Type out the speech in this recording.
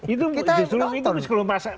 itu itu bisa kita lupa